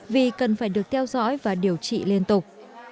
vì cần phải được theo dõi và điều trị liên tục